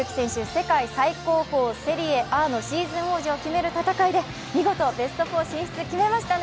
世界最高峰セリエＡのシーズン王者を決める戦いで見事ベスト４進出を決めましたね。